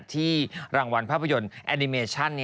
ที่รางวัลภาพยนตร์แอนิเมชั่น